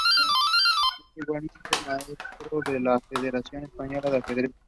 Es igualmente maestro de la federación española de ajedrez.